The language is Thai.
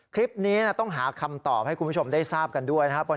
คลิปนี้ต้องหาคำตอบให้คุณผู้ชมได้ทราบกันด้วยนะครับ